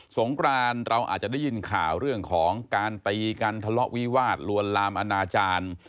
งกรานเราอาจจะได้ยินข่าวเรื่องของการตีกันทะเลาะวิวาสลวนลามอนาจารย์